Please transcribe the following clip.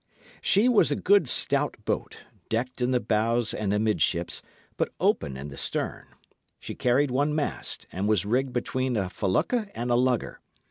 She was a good stout boat, decked in the bows and amidships, but open in the stern. She carried one mast, and was rigged between a felucca and a lugger.